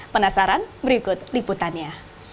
penasaran berikut liputannya